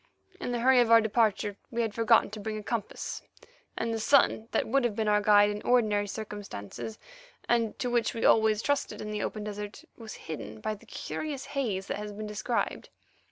In the hurry of our departure we had forgotten to bring a compass, and the sun, that would have been our guide in ordinary circumstances, and to which we always trusted in the open desert, was hidden by the curious haze that has been described.